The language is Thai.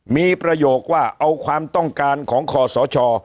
มีประโยคว่าเอาความต้องการของคอสช